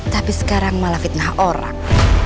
tapi sekarang malah fitnah orang